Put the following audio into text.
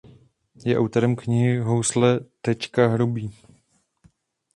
Je autorem knihy "Housle tečka Hrubý".